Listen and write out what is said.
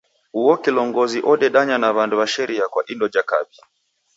Uo kilongozi odedanya na w'andu w'a sheria kwa indo ja kaw'i.